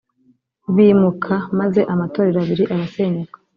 bimuka maze amatorero abiri arasenyuka